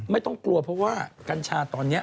ไม่ต้องกลัวเพราะว่ากัญชาตอนนี้